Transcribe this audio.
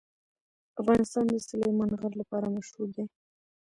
افغانستان د سلیمان غر لپاره مشهور دی.